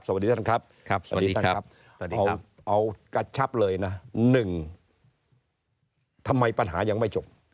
สวัสดีท่านครับ